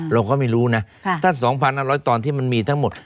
เราก็ไม่รู้นะถ้า๒๕๐๐ตอนที่มันมีทั้งหมด